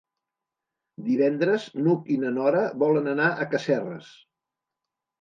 Divendres n'Hug i na Nora volen anar a Casserres.